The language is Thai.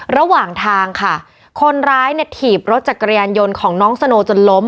ระหว่างทางค่ะคนร้ายเนี่ยถีบรถจักรยานยนต์ของน้องสโนจนล้ม